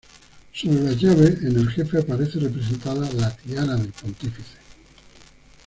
Sobre las llaves, en el jefe aparece representada la tiara del pontífice.